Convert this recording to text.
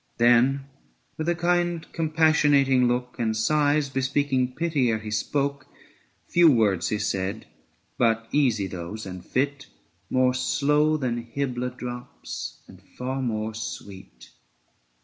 Then with a kind compassionating look, And sighs, bespeaking pity ere he spoke, 695 Few words he said, but easy those and fit, More slow than Hybla drops and far more sweet.